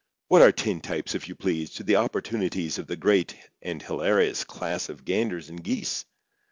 What are tintypes, if you please, to the opportunities of the great and hilarious class of ganders and geese?